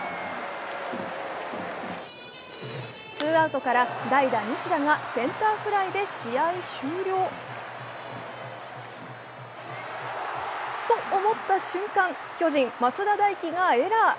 ツーアウトから代打・西田がセンターフライで試合終了と思った瞬間、巨人・増田大輝がエラー。